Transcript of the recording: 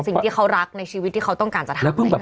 สิ่งที่เขารักในชีวิตที่เขาต้องการจะทำ